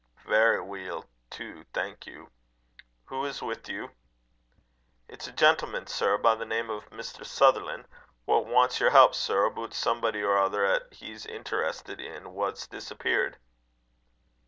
"Very well too, thank you. Who is with you?" "It's a gentleman, sir, by the name o' Mr. Sutherlan', wha wants your help, sir, aboot somebody or ither 'at he's enteresstit in, wha's disappeared."